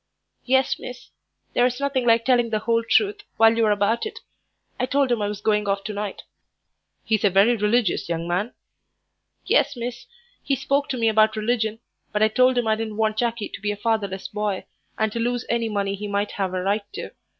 "Yes, miss; there's nothing like telling the whole truth while you're about it. I told him I was going off to night." "He's a very religious young man?" "Yes, miss; he spoke to me about religion, but I told him I didn't want Jackie to be a fatherless boy, and to lose any money he might have a right to.